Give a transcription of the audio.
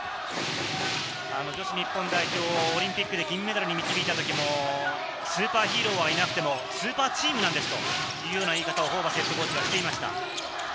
女子日本代表をオリンピックで銀メダルに導いたときもスーパーヒーローはいなくてもスーパーチームなんですというような言い方をホーバスＨＣはしていました。